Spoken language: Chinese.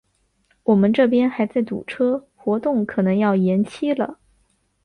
我们这边还在堵车，活动可能要延期了。